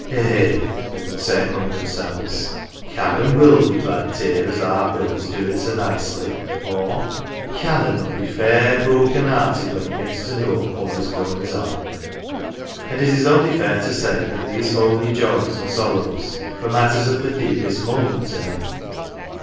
" Eh !" they would say among themselves, " Canon will be glad t'ear as our Bill's dom' so nicely," or " Canon '11 be fair 13 THORNLEIGH broken 'earted when he gets to know Polly^s goin"s on.' 1 '' And it is only fair to say that these homely joys and sorrows were matters of the deepest moment to him.